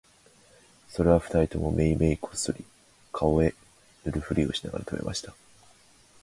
それは二人ともめいめいこっそり顔へ塗るふりをしながら喰べました